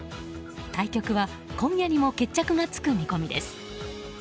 対局は今夜にも決着がつく見込みです。